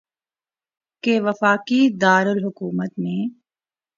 کہ وفاقی دارالحکومت میں